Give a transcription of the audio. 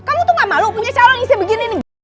kamu tuh gak malu punya calon isi begini nih